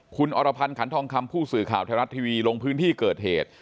คุณอรพันธ์ขันทองคำผู้สื่อข่าวไทยรัฐทีวีลงพื้นที่เกิดเหตุ